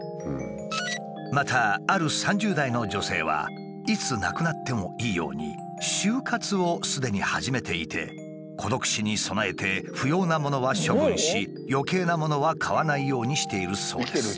またある３０代の女性はいつ亡くなってもいいように終活をすでに始めていて孤独死に備えて不要なものは処分しよけいなものは買わないようにしているそうです。